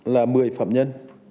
là một mươi phạm nhân